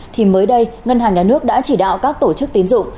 thì mới đây ngân hàng nhà nước đã chỉ đạo các tổ chức tín dụng